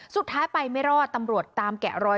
สุดท้ายไปไม่รอดตำรวจตามแกะรอย